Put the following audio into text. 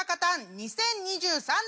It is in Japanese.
２０２３年